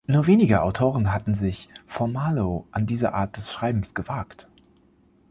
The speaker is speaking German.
Nur wenige Autoren hatten sich vor Marlowe an diese Art des Schreibens gewagt.